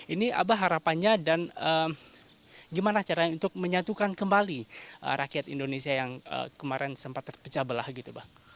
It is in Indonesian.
ini abah harapannya dan gimana caranya untuk menyatukan kembali rakyat indonesia yang kemarin sempat terpecah belah gitu bang